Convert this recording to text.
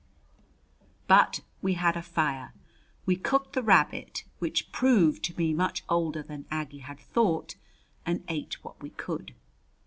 But we had a fire. We cooked the rabbit, which proved to be much older than Aggie had thought, and ate what we could.